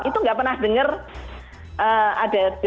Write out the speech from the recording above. itu nggak pernah dengar ada